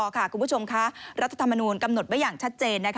คุณผู้ชมคะรัฐธรรมนูลกำหนดไว้อย่างชัดเจน